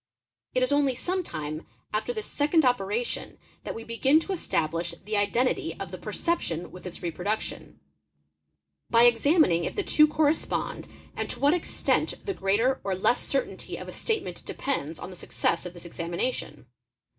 i 4 It is only sometime after this second operation that we begin to _ establish the identity of the perception with its reproduction ; by ex a ~ amining if the two correspond and to what extent the greater or less tied of a statement depends on the success of this examination.